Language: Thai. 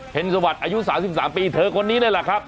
เห็นสวัสดิ์อายุ๓๓ปีเธอคนนี้เลยล่ะครับ